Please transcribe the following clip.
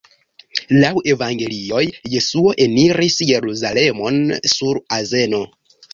Laŭ Evangelioj, Jesuo eniris Jerusalemon sur azeno.